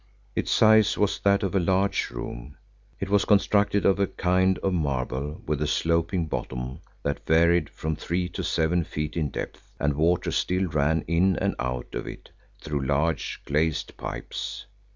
Its size was that of a large room; it was constructed of a kind of marble with a sloping bottom that varied from three to seven feet in depth, and water still ran in and out of it through large glazed pipes.